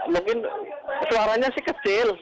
mungkin suaranya sih kecil